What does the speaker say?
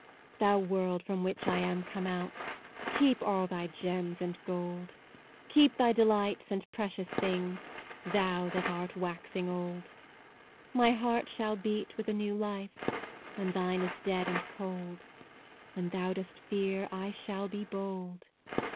Thou World from which I am come out, Keep all thy gems and gold; Keep thy delights and precious things Thou that art waxing old, My heart shall beat with a new life, When thine is dead and cold; When thou dost fear I shall be bold.